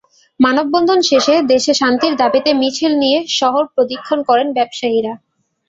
মানববন্ধন শেষে দেশে শান্তির দাবিতে মিছিল নিয়ে শহর প্রদক্ষিণ করেন ব্যবসায়ীরা।